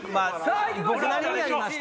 まぁ僕なりにやりました。